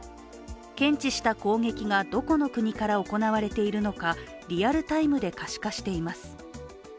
検知した攻撃がどこの国から行われているのかリアルタイムで可視化しています。